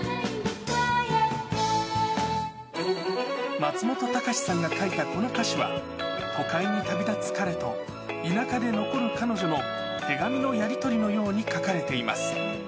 松本隆さんが書いたこの歌詞は、都会に旅立つ彼と、田舎で残る彼女の手紙のやり取りのように書かれています。